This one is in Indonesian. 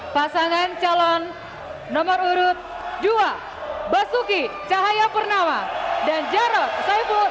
pasangan calon nomor urut dua basuki cahaya purnama dan jarok saipur